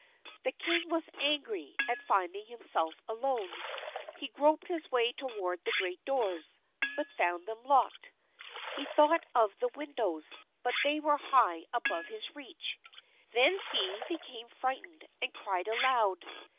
The king was angry at finding himself alone. He groped his way toward the great doors, but found them locked. Then he thought of the windows, but they were high above his reach. Then he became frightened and cried aloud.